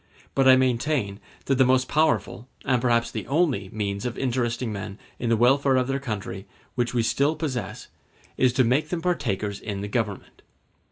But I maintain that the most powerful, and perhaps the only, means of interesting men in the welfare of their country which we still possess is to make them partakers in the Government.